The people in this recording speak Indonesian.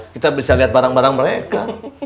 kita bisa lihat barang barang mereka